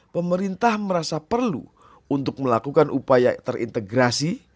pemerintah merasa perlu untuk melakukan upaya terintegrasi